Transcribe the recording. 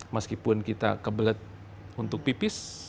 meskipun kita kebelet untuk pipis